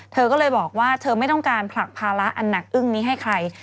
เธอก็เลยบอกว่าเธอไม่ต้องการผลักภาระอันหนักอึ้งนี้ให้ใคร